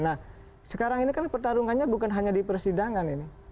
nah sekarang ini kan pertarungannya bukan hanya di persidangan ini